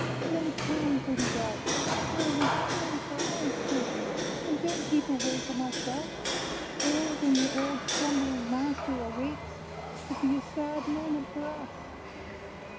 Then come, pretty Doves! O, return for our sakes, And don't keep away from us thus; Or, when your old slumbering master awakes, 'Twill be a sad moment for us!